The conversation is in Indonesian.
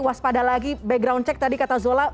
waspada lagi background check tadi kata zola